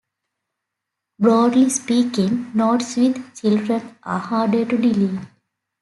Broadly speaking, nodes with children are harder to delete.